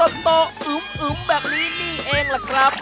ตัวอืมแบบนี้นี่เองแหละครับ